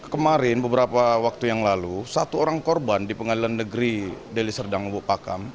kemarin beberapa waktu yang lalu satu orang korban di pengadilan negeri deli serdang bupakam